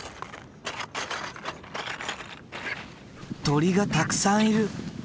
鳥がたくさんいる。